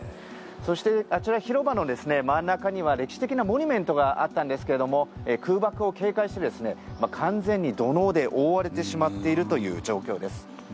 そして、あちら広場の真ん中には歴史的なモニュメントがあったんですけども空爆を警戒して完全に土のうで覆われてしまっているという状況です。